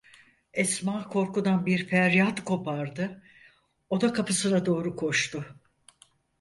Esma korkudan bir feryat kopardı; oda kapısına doğru koştu.